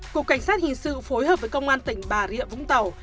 cục cảnh sát hình sự phối hợp với công an tỉnh bà rịa vũng tàu